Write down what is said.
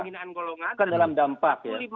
itu kan dalam dampak ya